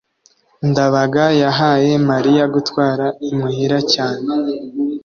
ndabaga yahaye mariya gutwara imuhira cyane